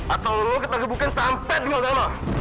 atau lo ketagih bukan sampai dengan mama